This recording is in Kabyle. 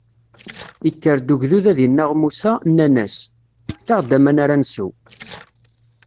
Ikker-d ugdud ad innaɣ Musa, nnan-as: Fket-aɣ-d aman ara nsew.